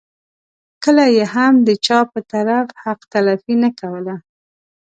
کله یې هم د چا په طرف حق تلفي نه کوله.